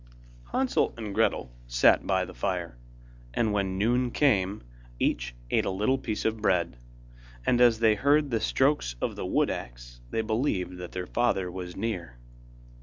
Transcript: Hansel and Gretel sat by the fire, and when noon came, each ate a little piece of bread, and as they heard the strokes of the wood axe they believed that their father was near.